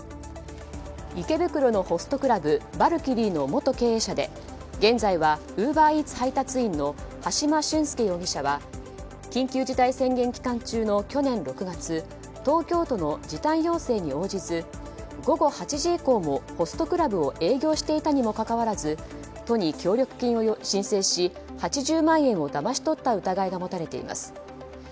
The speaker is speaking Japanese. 池袋のホストクラブＶＡＬＫＹＲＩＥの元経営者で現在はウーバーイーツ配達員の羽島駿介容疑者は緊急事態宣言期間中の去年６月東京都の時短要請に応じず午後８時以降もホストクラブを営業していたにもかかわらず都に協力金を申請し８０万円をだまし取った疑いが持たれています。